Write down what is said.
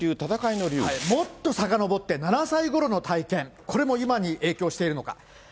もっとさかのぼって、７歳ごろの体験、これも今に影響しているのか。